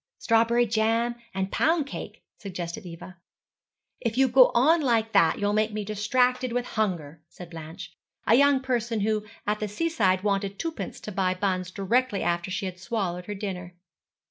'Strawberry jam and pound cake,' suggested Eva. 'If you go on like that you'll make me distracted with hunger,' said Blanche, a young person who at the seaside wanted twopence to buy buns directly after she had swallowed her dinner.